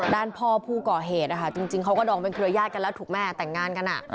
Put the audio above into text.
ด้านพ่อผู้ก่อเหตุจริงเขาก็ดองเป็นเครือญาติกันแล้วถูกแม่แต่งงานกัน